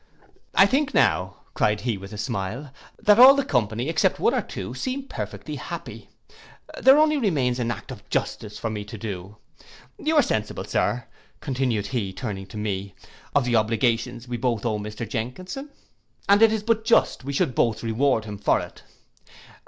'I think now,' cried he, with a smile, 'that all the company, except one or two, seem perfectly happy. There only remains an act of justice for me to do. You are sensible, Sir,' continued he, turning to me, 'of the obligations we both owe Mr Jenkinson. And it is but just we should both reward him for it.